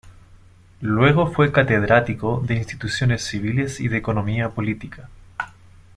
Luego fue catedrático de instituciones civiles y de economía política.